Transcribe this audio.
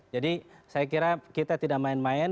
saya kira kita tidak main main